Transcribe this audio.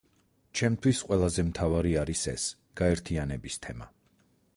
ჩემთვის ყველაზე მთავარი არის ეს, გაერთიანების თემა.